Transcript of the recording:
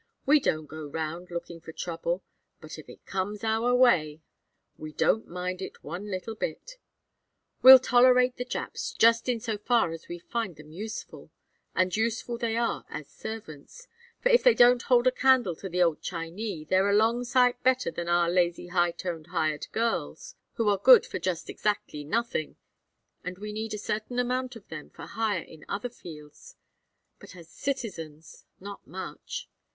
We don't go round lookin' for trouble, but if it comes our way we don't mind it one little bit. We'll tolerate the Japs just in so far as we find them useful, and useful they are as servants; for if they don't hold a candle to the old Chinee, they're a long sight better than our lazy high toned hired girls, who are good for just exactly nothing; and we need a certain amount of them for hire in other fields; but as citizens, not much.